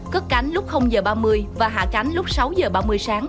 cất cánh lúc h ba mươi và hạ cánh lúc sáu giờ ba mươi sáng